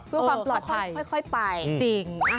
เพื่อความปลอดภัยค่อยไปจริง